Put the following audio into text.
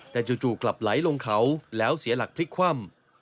แต่จู่กลับไหลลงเขาแล้วเสียหลักพลิกคว่ำ